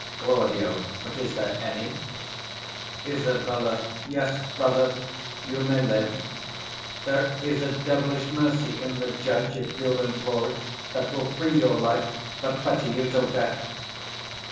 Claud. But is there any? Isab. Yes, brother, you may live: 65 There is a devilish mercy in the judge, If you'll implore it, that will free your life, But fetter you till death.